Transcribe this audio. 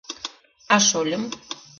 — А шольым?